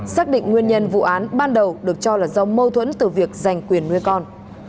xác định nguyên nhân vụ án ban đầu được cho là do mâu thuẫn từ việc giành quyền nuôi con